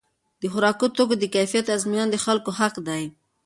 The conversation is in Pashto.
د خوراکي توکو د کیفیت ازموینه د خلکو حق دی.